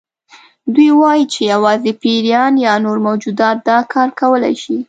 دوی وایي چې یوازې پیریان یا نور موجودات دا کار کولی شي.